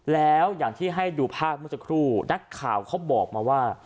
แล้วอย่างที่ให้ดูภาพเมื่อสักครู่นักข่าวเขาบอกมาว่า